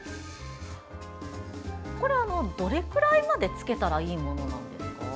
これは、どれくらいまでつけたらいいものなんですか？